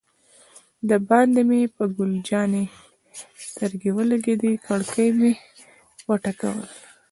دباندې مې پر ګل جانې سترګې ولګېدې، کړکۍ مې و ټکول.